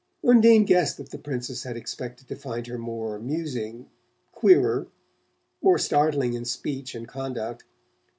Undine guessed that the Princess had expected to find her more amusing, "queerer," more startling in speech and conduct.